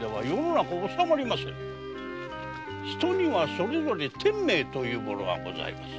人にはそれぞれ天命というものがございます。